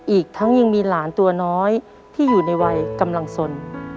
อีกทั้งยังมีหลานตัวน้อยที่อยู่ในวัยกำลังสน